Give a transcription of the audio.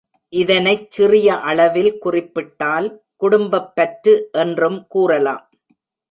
இதனைச் சிறிய அளவில் குறிப்பிட்டால் குடும்பப் பற்று என்றும் கூறலாம்.